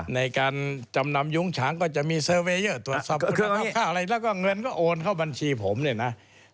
ในการจำนำยุ้งฉางก็จะมีเซอร์เวเยอร์ตรวจสอบเครื่องรับค่าอะไรแล้วก็เงินก็โอนเข้าบัญชีผมเนี่ยนะ